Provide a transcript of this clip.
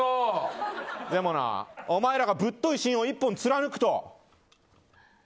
でもな、お前らがぶっとい芯を１本貫くと。